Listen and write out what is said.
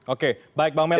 oke baik bang melty